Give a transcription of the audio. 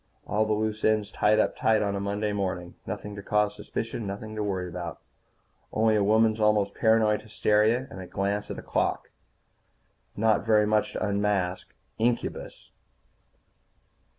All the loose ends tied up tight on a Monday morning. Nothing to cause suspicion. Nothing to worry about. Only a woman's almost paranoid hysteria, and a glance at a clock. Not very much to unmask incubus.